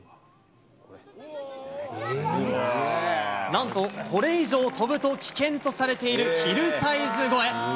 なんとこれ以上飛ぶと危険とされているヒルサイズ越え。